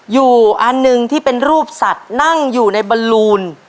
อันหนึ่งที่เป็นรูปสัตว์นั่งอยู่ในบรรลูน